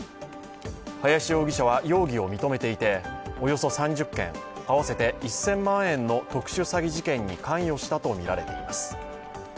林容疑者は容疑を認めていて、およそ３０件、合わせて１０００万円の特殊詐欺に関与したとみられています。